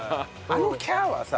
あの「キャー！」はさ